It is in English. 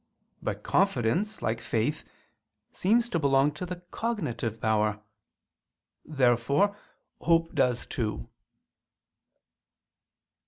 But confidence, like faith, seems to belong to the cognitive power. Therefore hope does too.